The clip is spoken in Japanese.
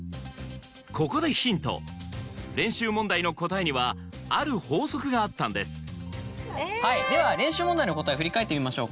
ここでヒント練習問題の答えにはある法則があったんですでは練習問題の答えを振り返ってみましょうか。